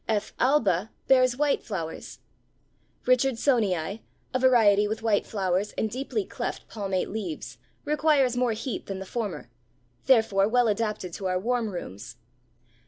F. Alba bears white flowers. Richardsonii, a variety with white flowers and deeply cleft palmate leaves, requires more heat than the former, therefore well adapted to our warm rooms.